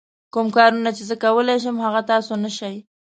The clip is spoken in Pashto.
کوم کارونه چې زه کولای شم هغه تاسو نه شئ.